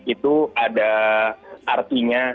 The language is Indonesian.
itu ada artinya